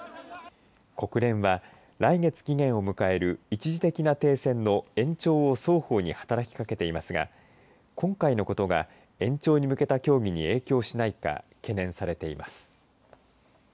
国連は来月期限を迎える一時的な停戦の延長を双方に働きかけていますが今回のことが延長に向けた協議に影響しないか懸念されています。